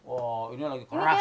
oh ini lagi keras